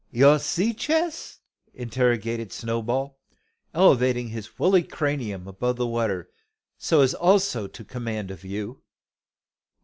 "Your sea chess?" interrogated Snowball, elevating his woolly cranium above the water, so as also to command a view.